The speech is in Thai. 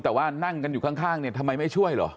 แต่ว่านั่งกันอยู่ข้างเนี่ยทำไมไม่ช่วยเหรอ